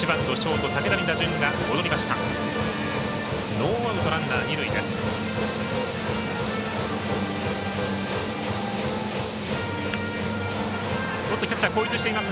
ノーアウト、ランナー、二塁です。